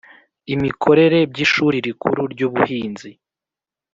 imikorere by Ishuri Rikuru ry Ubuhinzi